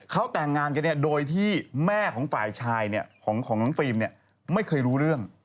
เขาแต่งงานกันเนี่ยโดยที่แม่ของฝ่ายชายเนี่ยของคุณฟรีมเนี่ยไม่เคยรู้เรื่อง